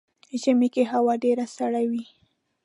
ژمی کې هوا ډیره سړه وي .